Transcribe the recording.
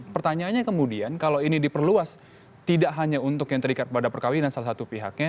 pertanyaannya kemudian kalau ini diperluas tidak hanya untuk yang terikat pada perkawinan salah satu pihaknya